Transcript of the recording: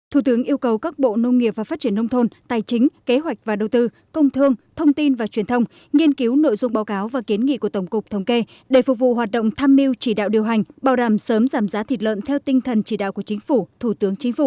thủ tướng yêu cầu các bộ nông nghiệp và phát triển nông thôn tài chính kế hoạch và đầu tư công thương thông tin và truyền thông nghiên cứu nội dung báo cáo và kiến nghị của tổng cục thống kê để phục vụ hoạt động tham mưu chỉ đạo điều hành bảo đảm sớm giảm giá thịt lợn theo tinh thần chỉ đạo của chính phủ thủ tướng chính phủ